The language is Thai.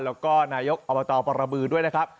แล้วก็นายกอบตปรบือด้วยนะครับ